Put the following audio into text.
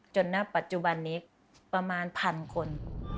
จนในปัจจุบันนี้ประมาณ๑๐๐๐คน